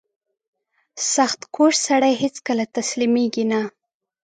• سختکوش سړی هیڅکله تسلیمېږي نه.